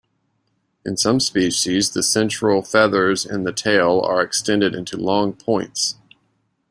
In some species, the central feathers in the tail are extended into long points.